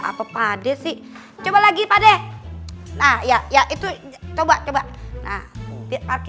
apa pade sih coba lagi pada ayat ya itu coba coba